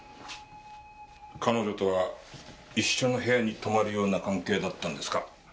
彼女とは一緒の部屋に泊まるような関係だったんですか？